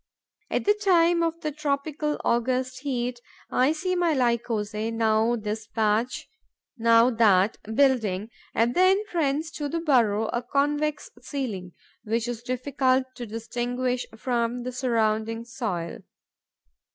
At the time of the tropical August heat, I see my Lycosae, now this batch, now that, building, at the entrance to the burrow, a convex ceiling, which is difficult to distinguish from the surrounding soil.